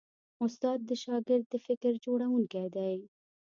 استاد د شاګرد د فکر جوړوونکی دی.